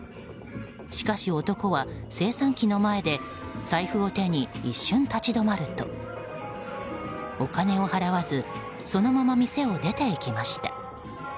しかし男は精算機の前で財布を手に一瞬立ち止まるとお金を払わずそのまま店を出て行きました。